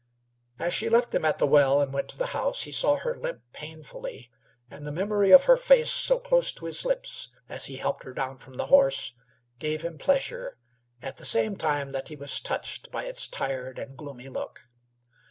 As she left them at the well and went to the house he saw her limp painfully, and the memory of her face so close to his lips as he helped her down from the horse gave him pleasure at the same time that he was touched by its tired and gloomy look.